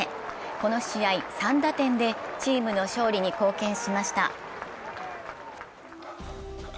この試合、３打点でチームの勝利に貢献しました。